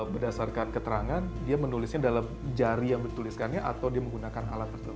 berdasarkan keterangan dia menulisnya dalam jari yang dituliskannya atau dia menggunakan alat tersebut